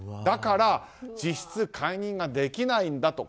だから、実質解任ができないんだ。